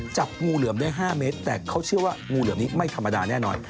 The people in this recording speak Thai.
จับงูเหลือมได้๕เมตรแต่เขาเชื่อว่างูเหลือมนี้ไม่ธรรมดาแน่นอน